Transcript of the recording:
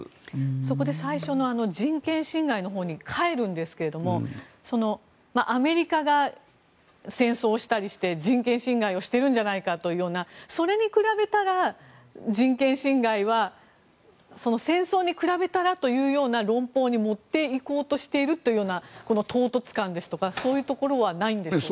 そこで最初の人権侵害のほうに帰るんですがアメリカが戦争したりして人権侵害をしているんじゃないかというようなそれに比べたら、人権侵害は戦争に比べたらというような論法に持っていこうとしているようなこの唐突感ですとかそういうところはないんでしょうか。